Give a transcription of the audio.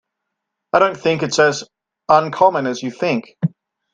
I don't think it's as uncommon as you think.